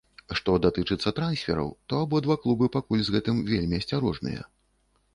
Што датычыцца трансфераў, то абодва клубы пакуль з гэтым вельмі асцярожныя.